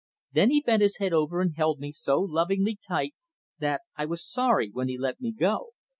Then he bent his head over and held me so lovingly tight, that I was sorry when he let me go.